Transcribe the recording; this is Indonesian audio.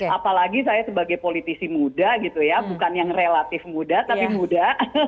apalagi saya sebagai politisi muda gitu ya bukan yang relatif muda tapi muda